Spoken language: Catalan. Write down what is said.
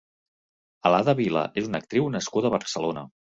Alada Vila és una actriu nascuda a Barcelona.